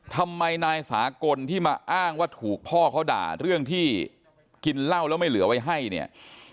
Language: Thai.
ทำไมนายสากลที่มาอ้างว่าถูกพ่อเขาด่าเรื่องที่กินเหล้าแล้วไม่เหลือไว้ให้เนี่ย